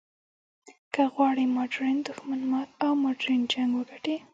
که غواړې ماډرن دښمن مات او ماډرن جنګ وګټې.